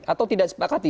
atau tidak sepakat